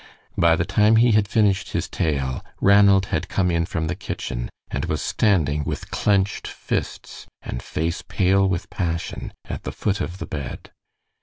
By the time he had finished his tale Ranald had come in from the kitchen, and was standing with clenched fists and face pale with passion at the foot of the bed.